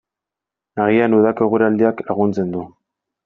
Agian udako eguraldiak laguntzen du.